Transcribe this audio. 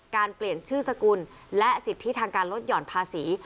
เปลี่ยนชื่อสกุลและสิทธิทางการลดหย่อนภาษี